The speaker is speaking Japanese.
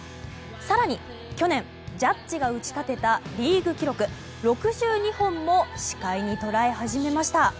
更に去年、ジャッジが打ち立てたリーグ記録６２本も視界に捉え始めました。